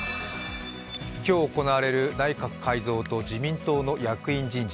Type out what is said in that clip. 今日行われる内閣改造と自民党の役員人事。